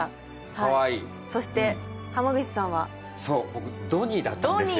かわいいそして濱口さんはそう僕ドニーだったんですよ